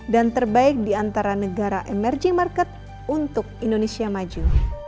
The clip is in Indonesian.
dan terbaik di antara negara emerging market untuk indonesia maju